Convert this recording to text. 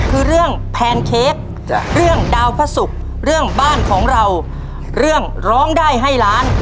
คือเรื่องแพนเค้กเรื่องดาวพระศุกร์เรื่องบ้านของเราเรื่องร้องได้ให้ล้าน